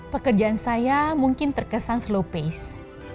pekerjaan saya mungkin terkesan slow pace